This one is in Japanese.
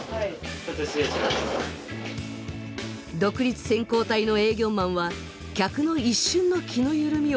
独立先攻隊の営業マンは客の一瞬の気の緩みを見逃しません。